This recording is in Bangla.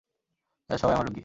এরা সবাই আমার রোগী।